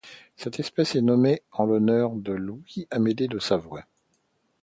Cette espèce est nommée en l'honneur de Louis-Amédée de Savoie.